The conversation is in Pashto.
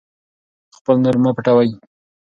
خپل نور مه پټوئ.